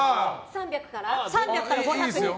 ３００から５００に。